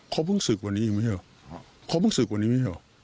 เขาเพิ่งศึกวันนี้อีกมั้ยเหรอเขาเพิ่งศึกวันนี้มั้ยเหรอ